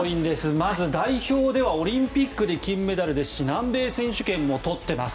まず代表ではオリンピックで金メダルですし南米選手権も取ってます。